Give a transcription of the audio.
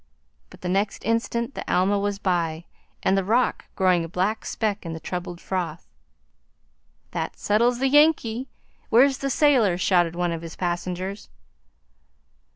But the next instant the Alma was by, and the rock growing a black speck in the troubled froth. "That settles the Yankee! Where's the sailor?" shouted one of his passengers.